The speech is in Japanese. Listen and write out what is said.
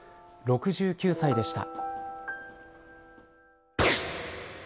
６９歳でした。